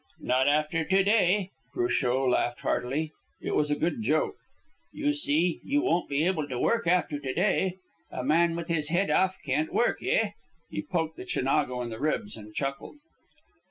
"Not after to day." Cruchot laughed heartily. It was a good joke. "You see, you won't be able to work after to day. A man with his head off can't work, eh?" He poked the Chinago in the ribs, and chuckled.